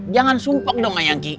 jangan sumpah dong ya ki